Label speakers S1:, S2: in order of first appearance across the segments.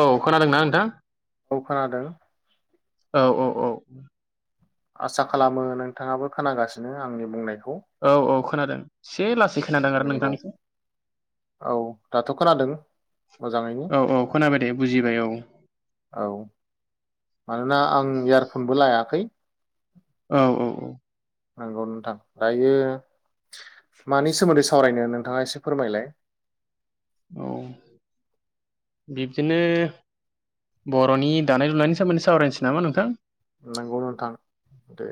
S1: औ खोनादोंना नोंथां?
S2: औखोनादों
S1: औ [inaudible]
S2: आसा खालामो नोंथाङाबो खोनागासिनो आंनि बुंनायखौ
S1: औ औ खोनादों से लासै खोनादों आरो
S2: नंगौ
S1: नोंथांनिखो
S2: औ दाथ' खोनादों मोजाङैनो
S1: औ औ खोनाबाय दे बुजिबाय औ
S2: औ मानोना आं इयारफनबो लायाखै
S1: औ औ औ
S2: नंगौ नोंथां दायो मानि सोमोन्दै सावरायनो नोंथाङा एसे फोरमायलाय
S1: औ बिब्दिनो बर'नि दानाय लुनायनि सोमोन्दै सावरायनोसै नामा नोंथां
S2: नोंगौ नोंथां दे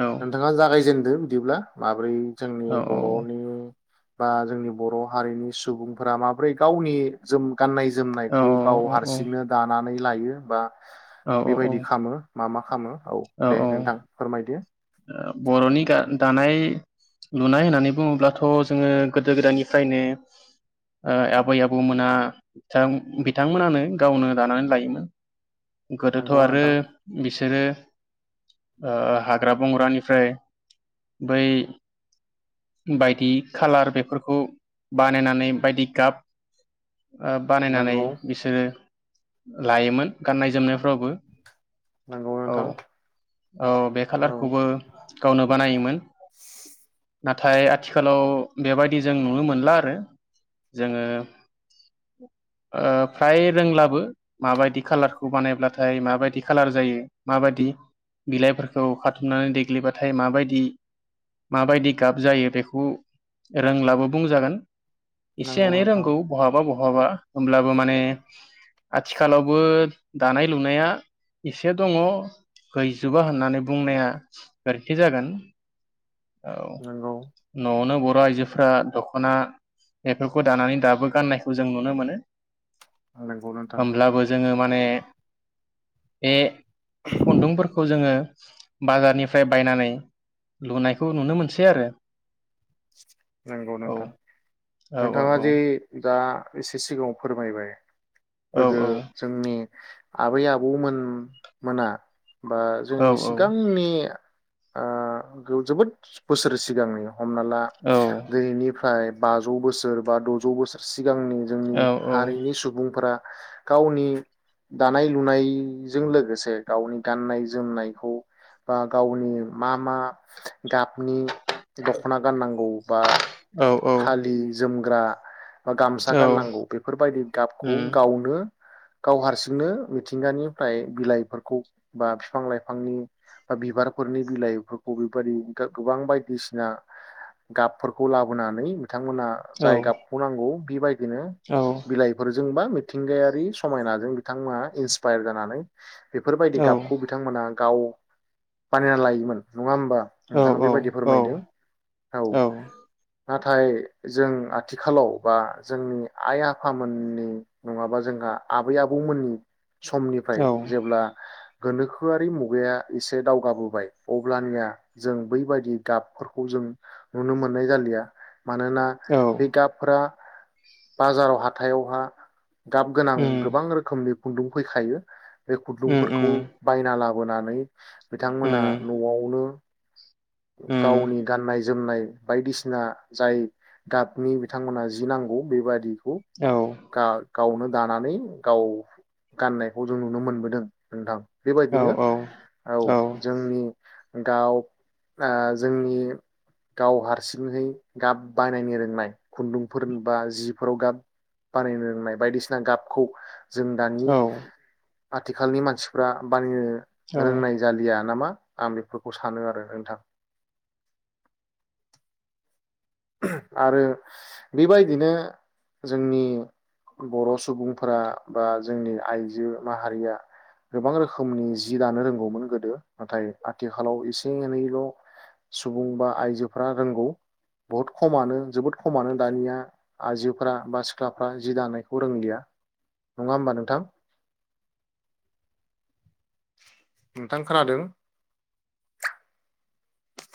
S1: औ
S2: नोंथाङा जागायजेनदो बिदिब्ला माब्रै जोंनि
S1: औ औ
S2: बर'नि बा जोंनि बर' हारिनि सुबुंफोरा माबोरै गावनि जोम गाननाय
S1: औ
S2: जोमनायखौ गाव
S1: औ औ
S2: हारसिंनो दानानै लायो बा बेबायदि
S1: औ
S2: खामो। मा मा खामो। औ दे नोंथां फोरमायदो।
S1: ओ बरनि गा दानाय लुनाय होननानै बुङोब्लाथ जोङो गोदो गोदायनिफ्रायनो ओह आबै आबौमोना बिथांमोनानो गावनो दानानै लायोमोन। गोदोथ
S2: नंगौ
S1: आरो
S2: नोंथां
S1: बिसोरो ओ ओ हाज हाग्रा बंग्रानिफ्राय बै बायदि खालार बेफोरखौ बानायनानै बायदि गाब ओह बानायनानै
S2: नंगौ
S1: बिसोरो लायोमोन गाननाय जोमनायफ्रावबो।
S2: नंगौ
S1: औ
S2: नोंथां
S1: औ बे
S2: औ
S1: खालारखौबो गावनो बानायोमोन।
S2: [inaudible]
S1: नाथाय आथिखालाव बेबायदि जों नुनो मोनला आरो जोङो ओ फ्राय रोंलाबो माबायदि खाालारखौ बानायब्लाथाय माबायदि खालार जायो माबायदि बिलाइफोरखौ खाथुमनानै देग्लिबाथाय माबायदि माबायदि गाब जायो बेखौ रोंलाबो बुंजागोन। इसे
S2: नंगौ
S1: एनै
S2: नोंथां
S1: रोंगौ बहाबा बहा बहाबा होमब्लाबो माने आथिखालावबो दानाय लुनाया एसे दङ हैजोबा होननानै बुंनाया गोरोन्थि जागोन। औ।
S2: नंगौ
S1: नवावनो बुथ बर आइजोफोरा दखना बेफोरखौ दानानै दाबो गाननायखौ जों नुनो मोनो।
S2: नंगौ नोंथां
S1: होमब्लाबो जोङो माने बे खुन्दुंफोरखौ जोङो। बाजारनिफ्राय बायनानै लुनायखौ नुनो मोनसै आरो।
S2: नंगौ
S1: औ
S2: नोंथां
S1: औ
S2: नोंथाङा जे
S1: औ
S2: दा एसे सिगाङाव फोरमायबाय। गोदो जोंनि आबै आबौमोन मोना बा
S1: औ
S2: जोंनि सिगांनि ओह गो जोबोद बोसोर सिगांनि हमना ला।
S1: औ
S2: दिनैनिफ्राय बाजौ बोसोर बा दजौ बोसोर सिग सिगांनि जोंनि हारिनि सुबुंफोरा गावनि दानाय लुनायजों लोगोसे गावनि गाननाय जोमनायखौ बा गावनि मा मा गाबनि दख'ना गाननांगौ बा
S1: औ औ
S2: फालि जोमग्रा जोमग्रा बा गामसा
S1: औ
S2: गाननांगौ बेफोरबायदि गाबखौ
S1: उम
S2: गावनो गाव हारसिंनो मिथिंगानिफ्राय बिलाइफोरखौ बा बिफां लाइफांनि बा बिबारफोरनि बिलाइफोरखौ बेबदि गोबां बायदिसिना गाबफोरखौ लाबोनानै बिथांमोनहा
S1: औ
S2: जाय गाबखौ नांगौ बेबायदि बिदिनो
S1: औ
S2: बिलाइफोरजोंबा मिथिंगायारि समायनाजों बिथांमोना इन्सपायार जानानै बेफोरबायदि गाबखौ बिथांमोना गाव बानायना लायमोन नंङा होमबा नोंथाङा
S1: औ
S2: बेबायदि
S1: औ
S2: फोरमायदों
S1: औ
S2: नाथाय जों आथिखालाव बा जोंनि आइ आफामोननि नंङाबा जोंहा आबै आबौमोननि समनिफ्राय
S1: औ
S2: जेब्ला गोनोखोआरि मुगाया एसे दावगाबोबाय अब्लानिया जों बैबायदि गाबफोरखौ जों नुनो मोननाय जालिया मानोना
S1: औ
S2: बे गाबफ्रा बाजाराव हाथायावहा गाब गोनां
S1: उम
S2: गोबां रोखोमनि खुन्दुं फैखायो बे
S1: उम
S2: खुदुंफोरखौ
S1: उम
S2: बायना लाबो लाबोनानै बिथांमोना
S1: उम
S2: न'आवनो
S1: उम
S2: गावनि गाननाय जोमनाय बायदिसिना जाय गाबनि बिथांमोना जि नांगौ बेबादि
S1: औ
S2: गा गावनो दानानै गाव गाननायखौ जों नुनो मोनबोदों नोंथां
S1: औ
S2: बेबायदिनो
S1: औ
S2: औ जोंनि गाव ओ जोंनि गाव हारसिंहै गाब बानायनो रोंनाय खुन्दुंफोर बा जिफोराव गाब बानायनो रोंनाय बायदिसिना गाबखौ जों दानि आथिखालनि मानसिफ्रा बानायनो
S1: औ
S2: रोंनाय जालिया नामा। आं बेफोरखौ सानो आरो। [unintelligible] आरो बेबादिनो जोंनि बर' सुबुं फोरा बा जोंनि आयजो माहारिया गोबां रोखोमनि जि दानो रोंगौमोन गोदो नाथाय आथिखालाव एसे एनैल' सुबुं बा आयजोफ्रा रोंगौ। बहुत खमानो जोबोद खमानो दानिया आयजोफोरा बा सिख्लाफ्रा जि दानायखौ रोंलिया नङा होमबा नोंथां नोंथां खोनादों?